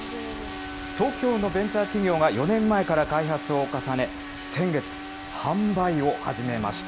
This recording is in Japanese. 東京のベンチャー企業が４年前から開発を重ね、先月、販売を始めました。